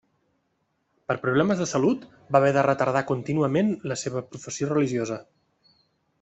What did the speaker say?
Per problemes de salut va haver de retardar contínuament la seva professió religiosa.